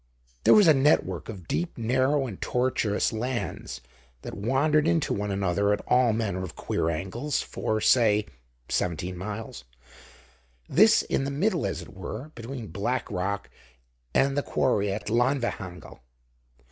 There was a network of deep, narrow, and tortuous lanes that wandered into one another at all manner of queer angles for, say, seventeen miles; this in the middle, as it were, between Black Rock and the quarry at Llanfihangel.